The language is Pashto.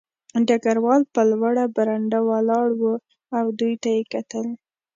ډګروال په لوړه برنډه ولاړ و او دوی ته یې کتل